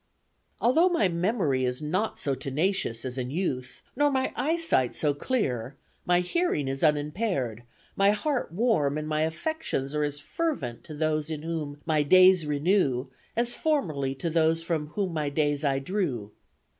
"Although my memory is not so tenacious as in youth, nor my eye sight so clear, my hearing is unimpaired, my heart warm and my affections are as fervent to those in whom 'my days renew' as formerly to those from 'whom my days I drew.'